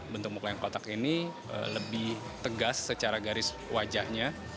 bentuk muka yang kotak ini lebih tegas secara garis wajahnya